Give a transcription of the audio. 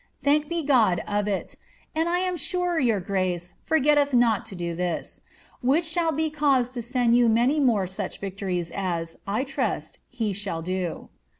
Thanked be God of it ; and I am sure yoar gnce ibrgetteth not to do this; which shall be cause to send you many more MKh Tietoties as, I trust, he shall do.